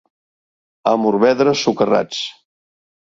A Morvedre, socarrats.